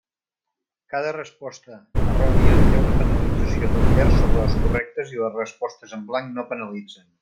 Cada resposta errònia té una penalització d'un terç sobre les correctes i les respostes en blanc no penalitzen.